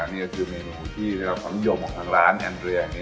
นี่จะเป็นเมนูที่ความนิยมของทางร้านแอนดเรีย